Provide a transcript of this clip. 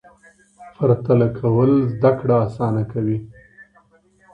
پرتله کول زده کړه اسانه کوي.